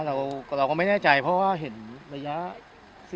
เราก็ไม่แน่ใจเพราะเราไม่ได้เห็นระยะ๔๕ม